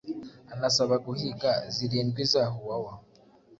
anasaba guhiga zirindwiza Huwawa